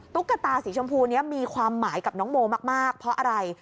ตุ๊กตาสีชมพูนี้มีความหมายกับน้องโมมากเพราะอะไร